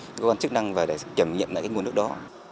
cơ quan chức năng về để kiểm nghiệm lại cái nguồn nước đó